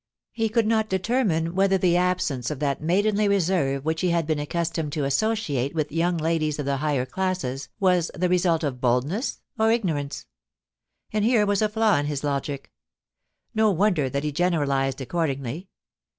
He could not determine whether the absence of that maidenly reserve which he had been accustomed to associate with young ladies of the higher classes was the result of boldness or ignorance. And here was a flaw in his logic No wonder that he generalised accordingly.